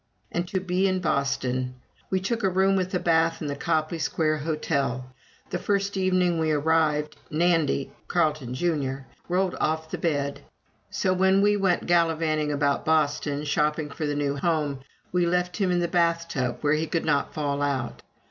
And to be in Boston! We took a room with a bath in the Copley Square Hotel. The first evening we arrived, Nandy (Carleton, Jr.) rolled off the bed; so when we went gallivanting about Boston, shopping for the new home, we left him in the bath tub where he could not fall out.